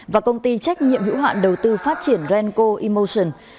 và công ty trách nhiệm hữu hạn đầu tư phát triển renco emotion